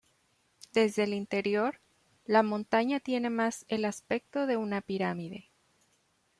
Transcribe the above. Desde el interior, la montaña tiene más el aspecto de una pirámide.